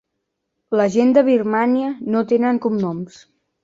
La gent de Birmània no tenen cognoms.